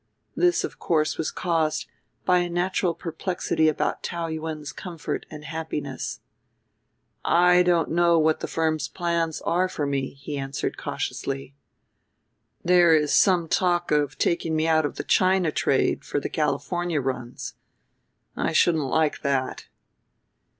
This of course was caused by a natural perplexity about Taou Yuen's comfort and happiness. "I don't know what the firm's plans are for me," he answered cautiously. "There is some talk of taking me out of the China trade for the California runs. I shouldn't like that."